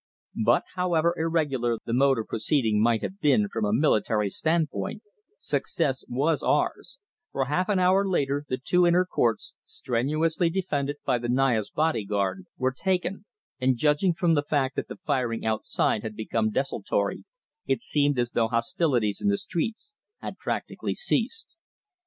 But, however irregular the mode of proceeding might have been from a military standpoint, success was ours, for half an hour later the two inner courts, strenuously defended by the Naya's body guard, were taken, and judging from the fact that the firing outside had become desultory it seemed as though hostilities in the streets had practically ceased.